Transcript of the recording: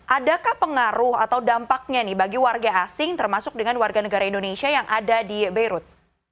adakah pengaruh atau dampaknya bagi warga asing termasuk dengan warga negara indonesia yang ada di beirut